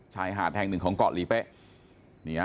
ชายหาดแห่งหนึ่งของเกาะลีเป๊ะ